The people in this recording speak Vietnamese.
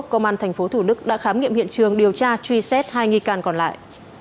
công an tp thủ đức đã khám nghiệm hiện trường điều tra truy xét hai nghi can còn lại